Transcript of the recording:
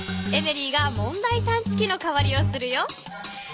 エメリーが問題たんちきの代わりをするよ。